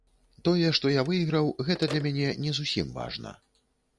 Тое, што я выйграў, гэта для мяне не зусім важна.